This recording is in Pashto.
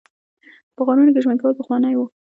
په غارونو کې ژوند کول پخوانی و